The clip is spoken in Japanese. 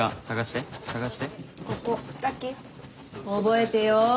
覚えてよ。